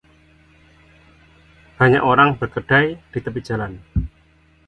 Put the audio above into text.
banyak orang berkedai di tepi jalan